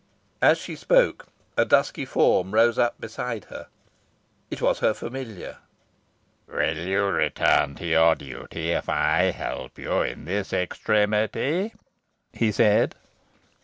As she spoke a dusky form rose up beside her. It was her familiar. "Will you return to your duty if I help you in this extremity?" he said.